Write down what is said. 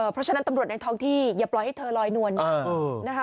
เพราะฉะนั้นตำรวจในท้องที่อย่าปล่อยให้เธอลอยนวลมากนะคะ